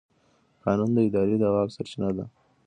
قانون د ادارې د واک سرچینه ده.